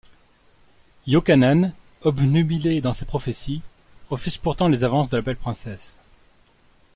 Iokanaan, obnubilé dans ses prophéties, refuse pourtant les avances de la belle princesse.